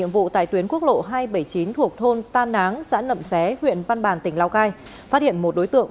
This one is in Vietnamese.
việc ở tổ hai trăm bảy mươi chín thuộc thôn tan náng xã nậm xé huyện văn bàn tỉnh lào cai phát hiện một đối tượng